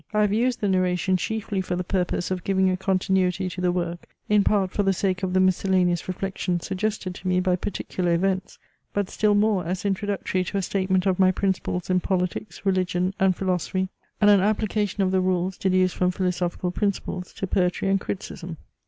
I have used the narration chiefly for the purpose of giving a continuity to the work, in part for the sake of the miscellaneous reflections suggested to me by particular events, but still more as introductory to a statement of my principles in Politics, Religion, and Philosophy, and an application of the rules, deduced from philosophical principles, to poetry and criticism.